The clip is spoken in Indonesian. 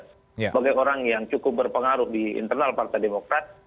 sebagai orang yang cukup berpengaruh di internal partai demokrat